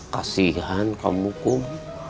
kasihan kamu kum